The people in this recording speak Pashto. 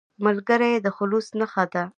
ملګری د خلوص نښه ده